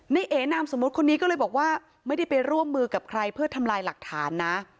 เอ๋นามสมมุติคนนี้ก็เลยบอกว่าไม่ได้ไปร่วมมือกับใครเพื่อทำลายหลักฐานนะ